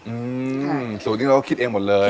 อืมสูตรนี้เราก็คิดเองหมดเลย